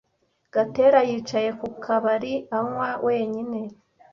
Gatera yicaye ku kabari anywa wenyine.